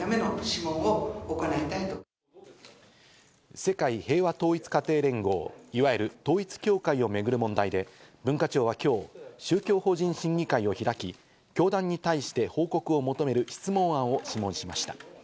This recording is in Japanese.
世界平和統一家庭連合、いわゆる統一教会をめぐる問題で、文化庁は今日、宗教法人審議会を開き、教団に対して報告を求める質問案を諮問しました。